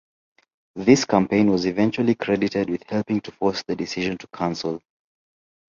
This campaign was eventually credited with helping to force the decision to cancel.